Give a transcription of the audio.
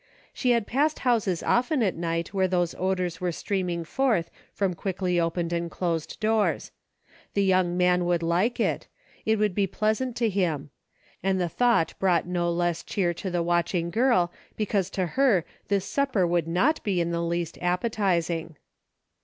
She had passed houses often at night where these odors were streaming forth from quickly opened and closed doors. The young man would like it; it would be pleasant to him. And the thought brought no less cheer to the watching girl because to her this supper would not be in the least appetizing.